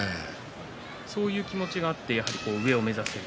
そういう気持ちがあって上を目指す。